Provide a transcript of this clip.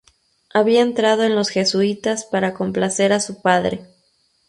Había entrado en los jesuitas para complacer a su padre.